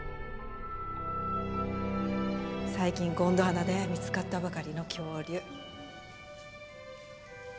最近ゴンドワナで見つかったばかりの恐竜。